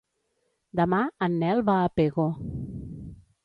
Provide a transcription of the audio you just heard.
Demà en Nel va a Pego.